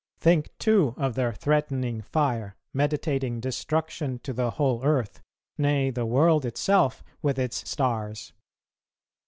Think too of their threatening fire, meditating destruction to the whole earth, nay the world itself with its stars!